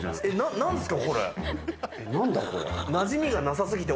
何ですか？